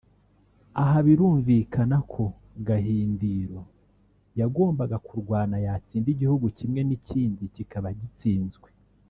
aha birumvikana ko Gahindiro yagombaga kurwana yatsinda igihugu kimwe n’ikindi kikaba gitsinzwe